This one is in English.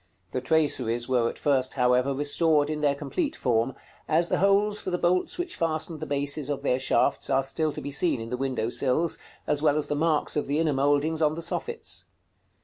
The traceries were at first, however, restored in their complete form, as the holes for the bolts which fastened the bases of their shafts are still to be seen in the window sills, as well as the marks of the inner mouldings on the soffits.